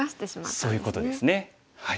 そういうことですね。